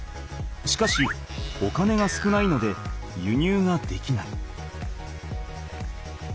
しかしお金が少ないので輸入ができない。